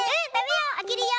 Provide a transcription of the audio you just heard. あけるよ。